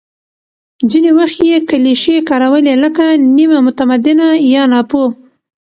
ځینې وخت یې کلیشې کارولې، لکه «نیمه متمدنه» یا «ناپوه».